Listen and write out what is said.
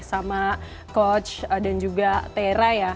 sama coach dan juga tera ya